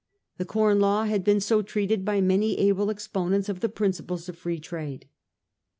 The Corn Law had been so treated by man/ able exponents of the principles of Free Trade.